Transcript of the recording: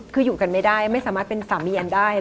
คืออยู่กันไม่ได้ไม่สามารถเป็นสามีแอนได้